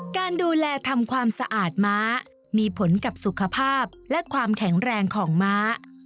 การดูแลทำความสะอาดม้ามีผลกับสุขภาพและความแข็งแรงของม้า